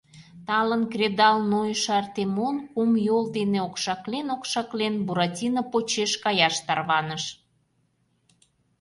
Талын кредал нойышо Артемон, кум йол дене окшаклен-окшаклен, Буратино почеш каяш тарваныш.